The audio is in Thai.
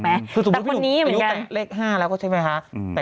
ไหมคือสมมุติพี่หนูอายุเป็นเลขห้าแล้วก็ใช่ไหมฮะแต่